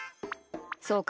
そうか。